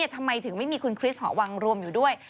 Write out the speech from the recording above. ทำไมถึงไม่มีคุณคริสหอวังรวมอยู่ด้วย